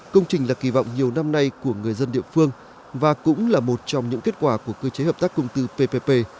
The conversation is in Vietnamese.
công trình là kỳ vọng nhiều năm nay của người dân địa phương và cũng là một trong những kết quả của cơ chế hợp tác công tư ppp